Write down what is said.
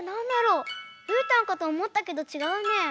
うーたんかとおもったけどちがうね。